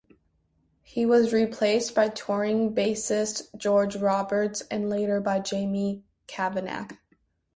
He was replaced by touring bassist George Roberts, and later by Jamie Cavanagh.